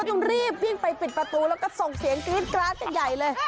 คุณครูก็ต้องรีบวิ่งไปปิดประตูแล้วก็ส่งเสียงกริ๊ดกร้าดใหญ่เลย